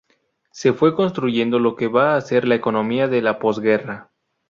Se fue construyendo lo que va a ser la economía de la pos-guerra.